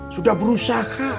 sudah berusaha mengingatkan mereka